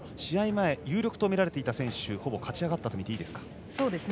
前有力と見られていた選手がほぼ勝ち上がったとみていいですか？